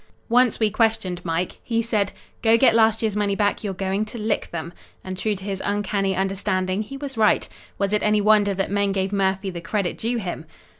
Once we questioned Mike. He said, "Go get last year's money back, you're going to lick them!" And true to his uncanny understanding he was right. Was it any wonder that men gave Murphy the credit due him?